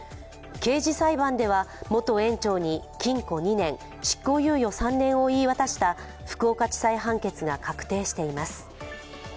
刑事裁判では、元園長に禁錮２年執行猶予３年を言い渡した福岡地裁判決が確定しています。